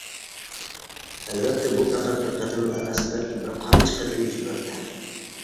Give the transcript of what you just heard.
ئەلۋەتتە، بۇ پەقەت بىر قېتىملا ئەمەس، بەلكى بىر قانچە قېتىم يۈز بەردى.